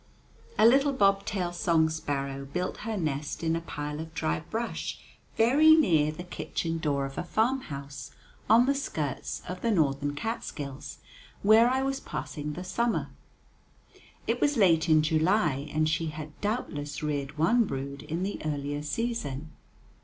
A little bob tailed song sparrow built her nest in a pile of dry brush very near the kitchen door of a farmhouse on the skirts of the northern Catskills, where I was passing the summer. It was late in July, and she had doubtless reared one brood in the earlier season.